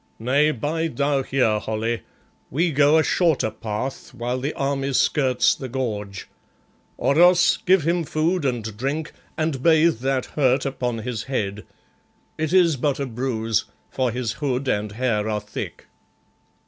Nay, bide thou here, Holly; we go a shorter path while the army skirts the gorge. Oros, give him food and drink and bathe that hurt upon his head. It is but a bruise, for his hood and hair are thick."